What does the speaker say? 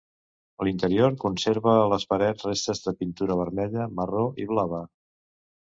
L'interior conserva a les parets restes de pintura vermella, marró i blava.